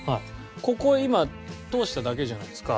ここ今通しただけじゃないですか。